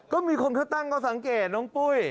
ก็มีคนเขาตั้งข้อสังเกตน้องปุ้ย